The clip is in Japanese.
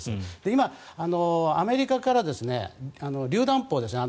今、アメリカからりゅう弾砲ですね